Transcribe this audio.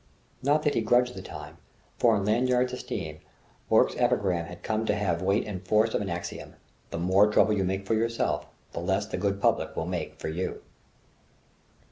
Not that he grudged the time; for in Lanyard's esteem Bourke's epigram had come to have the weight and force of an axiom: "The more trouble you make for yourself, the less the good public will make for you."